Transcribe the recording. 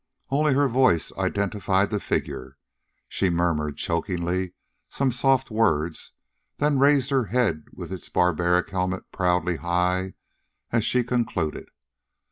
Only her voice identified the figure. She murmured chokingly some soft words, then raised her head with its barbaric helmet proudly high as she concluded.